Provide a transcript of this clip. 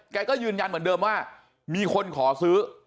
แกก็ยืนยันเหมือนเดิมว่ามีคนขอซื้อ